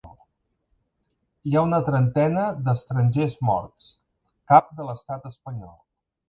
Hi ha una trentena d’estrangers morts, cap de l’estat espanyol.